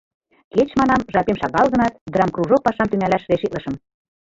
— Кеч, — манам, — жапем шагал гынат, драмкружок пашам тӱҥалаш решитлышым.